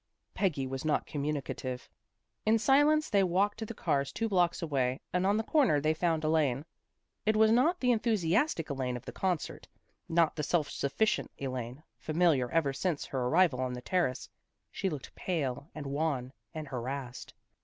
Peggy was not communicative. In silence they walked to the cars two blocks away, and on the corner they found Elaine. It was not the enthusiastic Elaine of the concert, not the self sufficient Elaine, familiar ever since her arrival on the Terrace. She looked pale and wan and harassed.